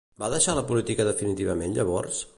Va deixar la política definitivament llavors?